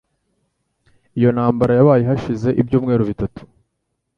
Iyo ntambara yabaye hashize ibyumweru bitatu